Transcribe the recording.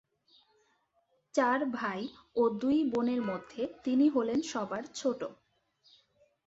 চার ভাই ও দুই বোনের মধ্যে তিনি হলেন সবার ছোট।